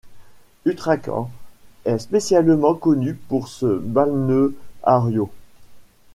Utracán est spécialement connue pour ce balneario.